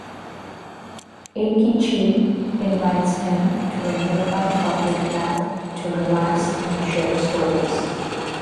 Eikichi invites him to a nearby public bath to relax and share stories.